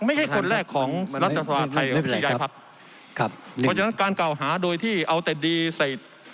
ไม่ใช่คนแรกของรัฐธวรรษไทยไม่เป็นไรครับครับเพราะฉะนั้นการกล่าวหาโดยที่เอาแต่ดีใส่